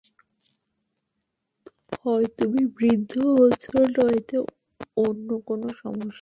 হয় তুমি বৃদ্ধ হচ্ছো নয়তো অন্য কোন সমস্যা।